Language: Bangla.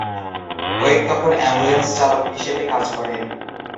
ওয়েক তখন অ্যাম্বুলেন্স চালক হিসেবে কাজ করেন।